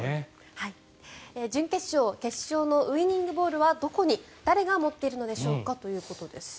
準決勝、決勝のウィニングボールはどこに誰が持っているのでしょうか？ということです。